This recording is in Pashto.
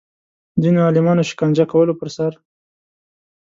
ځینو عالمانو شکنجه کولو پر سر